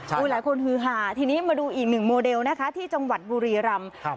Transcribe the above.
หลายคนฮือหาทีนี้มาดูอีกหนึ่งโมเดลนะคะที่จังหวัดบุรีรำครับ